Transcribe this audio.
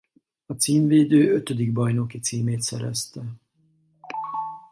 A címvédő ötödik bajnoki címét szerezte.